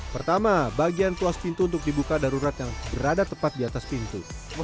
pertama bagian puas pintu untuk dibuka darurat yang berada tepat di atas pintu